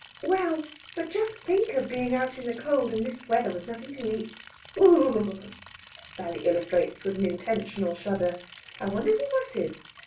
"Well, but just think of being out in the cold in this weather, with nothing to eat! Oo oo oogh!" Sally illustrates, with an intentional shudder. "I wonder who that is!"